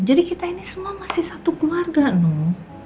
jadi kita ini semua masih satu keluarga nung